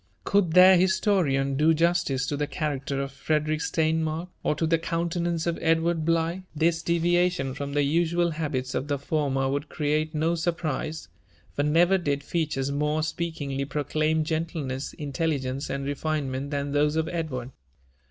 Could their historian do justice to the character of Frederick Stein mark, or to the countenance of Edward Bligh, this deyiation from the JONATHAN JEFFERSON WHITLAW. 109 usual habits of the former would create no surprise, for never did fea tures more speakingly proclaim gentleness, intelligence, and refinement than those of Edward.